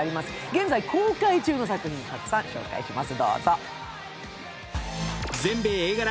現在、公開中の作品、たくさん紹介します。